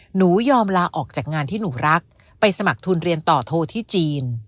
หนูยอมลาออกจากงานที่หนูรักไปสมัครทุนเรียนต่อโทรที่จีน